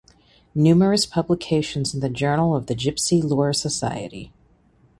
Numerous publications in the Journal of the Gypsy Lore Society.